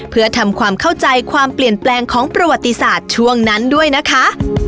เพื่อทำความเข้าใจความเปลี่ยนแปลงของประวัติศาสตร์ช่วงนั้นด้วยนะคะ